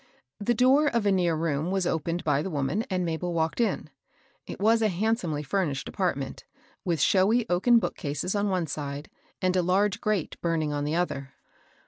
The door of a near room was opened by the woman, and Mabel walked in. It was a handsomely ftimished apartment, with showy oaken bookcases on one side, and a large grate burning on the other.